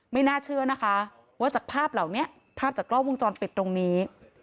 ไม่น่าเชื่อนะคะว่าจากภาพเหล่านี้ภาพจากกล้องวงจรปิดตรงนี้